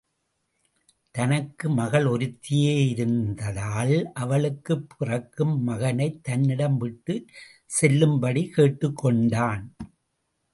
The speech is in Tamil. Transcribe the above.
தனக்கு மகள் ஒருத்தியே இருந்ததால் அவளுக்குப் பிறக்கும் மகனைத் தன்னிடம் விட்டுச் செல்லும்படி கேட்டுக் கொண்டான்.